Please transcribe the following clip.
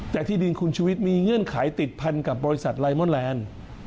แต่ที่ดินคุณชุวิตมีเงื่อนไขติดพันกับบริษัทไลมอนแลนด์